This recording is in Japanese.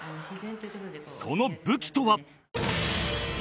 その武器とは